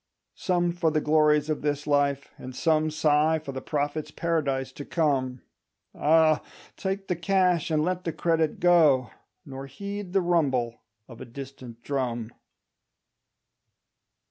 Some for the glories of this life, and some Sigh for the Prophet's Paradise to come: Ah, take the cash and let the credit go, Nor heed the rumble of a distant drum.